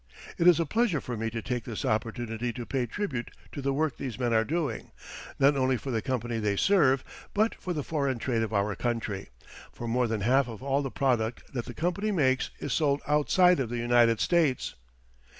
It is a pleasure for me to take this opportunity to pay tribute to the work these men are doing, not only for the company they serve, but for the foreign trade of our country; for more than half of all the product that the company makes is sold outside of the United States.